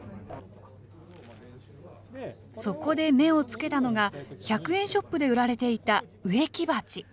そこで目をつけたのが、１００円ショップで売られていた植木鉢。